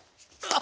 あ！